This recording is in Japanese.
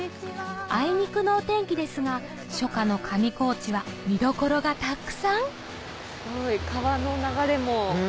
あいにくのお天気ですが初夏の上高地は見どころがたくさん川の流れも。